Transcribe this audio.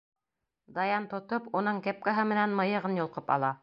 Даян тотоп, уның кепкаһы менән мыйығын йолҡоп ала.